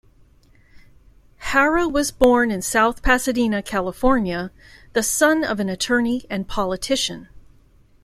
Harrah was born in South Pasadena, California, the son of an attorney and politician.